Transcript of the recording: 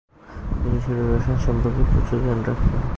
তিনি মিশরীয় রসায়ন সম্পর্কে প্রচুর জ্ঞান রাখতেন।